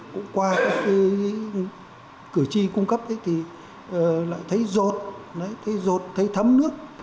cũng qua các cái cử tri cung cấp thì lại thấy rột thấy rột thấy thấm nước